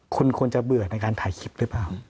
คุณควรจะเบื่อในการถ่ายคลิปหรือเปล่า